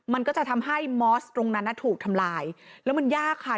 มันก็จะทำให้มอสตรงนั้นน่ะถูกทำลายแล้วมันยากค่ะ